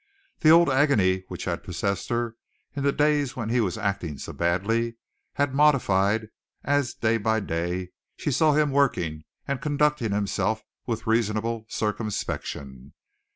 The old agony which had possessed her in the days when he was acting so badly had modified as day by day she saw him working and conducting himself with reasonable circumspection.